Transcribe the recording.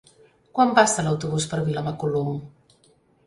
Quan passa l'autobús per Vilamacolum?